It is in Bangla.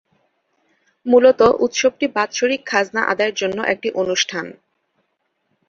মূলত উৎসবটি বাৎসরিক খাজনা আদায়ের জন্য একটি অনুষ্ঠান।